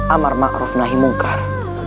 amar ma'ruf nahi mungkar